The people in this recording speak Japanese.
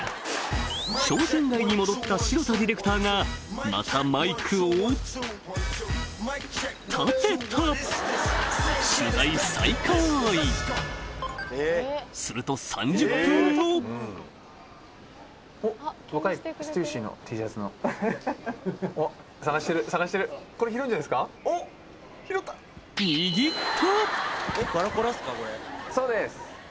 商店街に戻った城田ディレクターがまたマイクを取材再開すると３０分後おっ拾った。